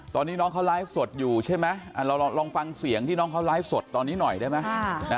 ตอนนี้น้องเขาไลฟ์สดอยู่ใช่ไหมเราลองฟังเสียงที่น้องเขาไลฟ์สดตอนนี้หน่อยได้ไหม